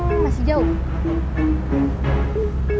masa kelar nggak nyempuh